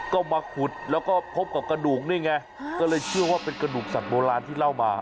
ก็มาขุดแล้วก็พบกับกระดูกนี่ไงก็เลยเชื่อว่าเป็นกระดูกสัตว์โบราณที่เล่ามา